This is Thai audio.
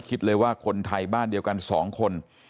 คิดเลยว่าคนไทยบ้านเดียวกัน๒คน